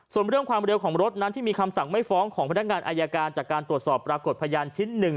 ส่วนเรื่องความเร็วของรถนั้นที่มีคำสั่งไม่ฟ้องของพนักงานอายการจากการตรวจสอบปรากฏพยานชิ้นหนึ่ง